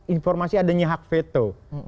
informasi adanya hak veto